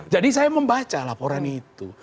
jadi saya membaca laporan itu